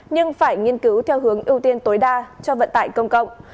nhưng phải nghiên cứu theo hướng ưu tiên tối đa cho vận tải công cộng